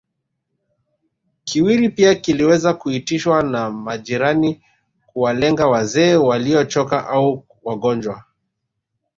Kiwiri pia kiliweza kuitishwa na majirani kuwalenga wazee waliochoka au wagonjwa